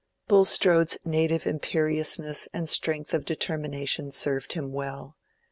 Bulstrode's native imperiousness and strength of determination served him well.